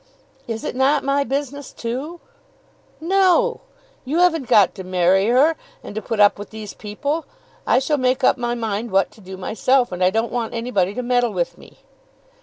"Is it not my business too?" "No; you haven't got to marry her, and to put up with these people. I shall make up my mind what to do myself, and I don't want anybody to meddle with me."